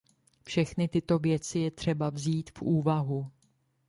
Všechny tyto věci je třeba vzít v úvahu.